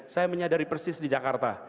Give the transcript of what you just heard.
saya menyadari persis di jakarta